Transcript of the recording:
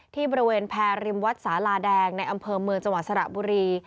ที่บริเวณแพรริมวัดสาลาแดงในอำเภอเมืองจังหวัดสระบุรี